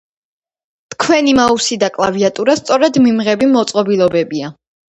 თქვენი მაუსი და კლავიატურა სწორედ მიმღები მოწყობილობებია